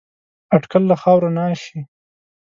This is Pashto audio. اټکل له خاورو نه شي